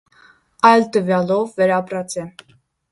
Այլ տուեալով՝ վերապրած է։